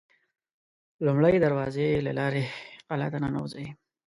لومړۍ دروازې له لارې قلا ته ننوزي.